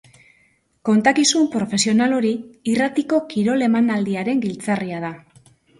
Kontakizun profesional hori irratiko kirol emanaldiaren giltzarria da.